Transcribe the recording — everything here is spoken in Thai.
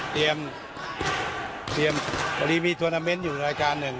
เตรียมเตรียมวันนี้มีทวนาเมนต์อยู่ในรายการหนึ่ง